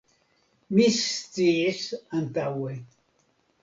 Mi sciis antaŭe.